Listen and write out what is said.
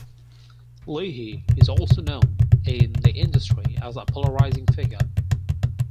Leahy is also known in the industry as a polarizing figure.